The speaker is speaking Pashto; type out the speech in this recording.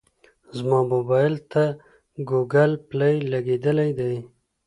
زما موبایل ته ګوګل پلی لګېدلی دی.